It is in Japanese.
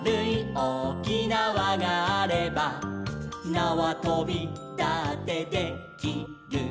「なわとびだってで・き・る」